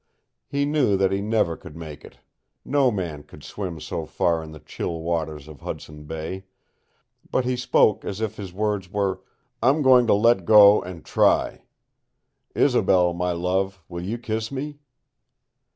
He knew that he never could make it; no man could swim so far in the chill waters of Hudson Bay; but he spoke as if his words were "I'm going to let go and try. Isobel, my love, will you kiss me?"